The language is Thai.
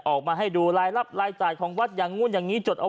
ออกมาให้ดูรายรับรายจ่ายของวัดอย่างนู้นอย่างนี้จดเอา